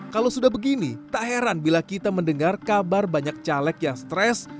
kalau sudah begini tak heran bila kita mendengar kabar banyak caleg yang stres